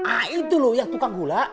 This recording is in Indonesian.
ah itu loh yang tukang gula